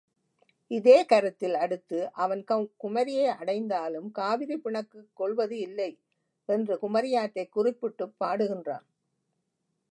இதே கருத்தில் அடுத்து அவன் குமரியை அடைந்தாலும் காவிரி பிணக்குக் கொள்வது இல்லை என்று குமரியாற்றைக் குறிப்பிட்டுப் பாடுகின்றான்.